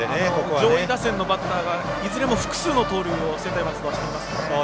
上位打線のバッターがいずれも複数の盗塁を専大松戸はしていますね。